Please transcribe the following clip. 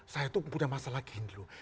saya tuh punya masalah gini loh